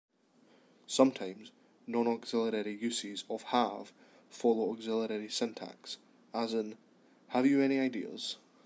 Sometimes, non-auxiliary uses of "have" follow auxiliary syntax, as in "Have you any ideas?